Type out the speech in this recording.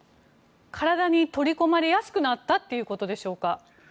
体に取り込まれやすくなったということでしょうか？